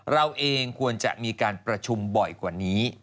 เราเองควรจะมีการประชุมบ่อยกว่านี้